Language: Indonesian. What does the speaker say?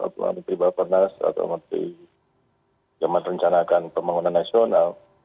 kementerian bapak pernas atau kementerian jaman rencanakan pembangunan nasional